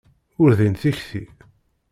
Ur din tikti.